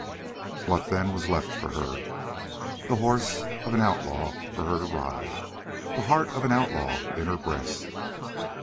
What, then, was left for her? The horse of an outlaw for her to ride; the heart of an outlaw in her breast.